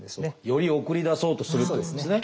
より送り出そうとするってことですね。